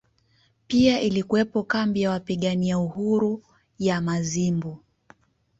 Pia ilikuwepo kambi ya wapigania uhuru ya Mazimbu